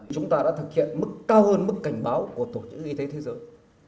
chúng ta đã thực hiện mức cao hơn mức cảnh báo của tổ chức y tế thế giới